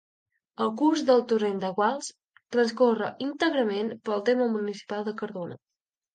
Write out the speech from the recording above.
El curs del Torrent de Guals transcorre íntegrament pel terme municipal de Cardona.